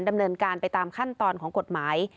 ดำเนินการไปตามขั้นตอนของกฎหมาย